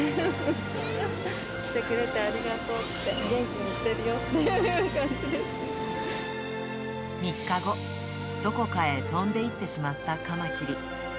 来てくれてありがとうって、３日後、どこかへ飛んでいってしまったカマキリ。